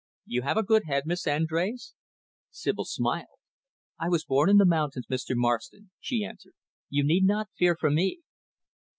"You have a good head, Miss Andrés?" Sibyl smiled. "I was born in the mountains, Mr. Marston," she answered. "You need not fear for me."